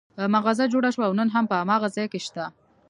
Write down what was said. مغازه جوړه شوه او نن هم په هماغه ځای کې شته.